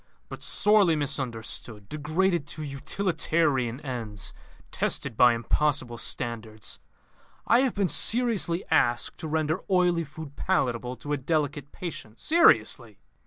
"But sorely misunderstood; degraded to utilitarian ends; tested by impossible standards. I have been seriously asked to render oily food palatable to a delicate patient. Seriously!"